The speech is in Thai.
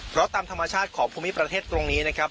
เพราะตามธรรมชาติของภูมิประเทศตรงนี้นะครับ